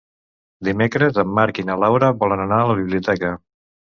Dimecres en Marc i na Laura volen anar a la biblioteca.